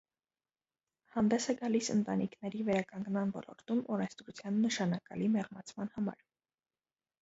Հանդես է գալիս ընտանիքների վերականգնման ոլորտում օրենսդրության նշանակալի մեղմացման համար։